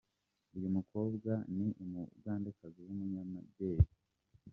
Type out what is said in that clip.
Uyu mukobwa ni Umugandekazi wumunyamideli uba.